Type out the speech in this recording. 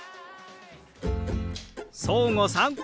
そうごさん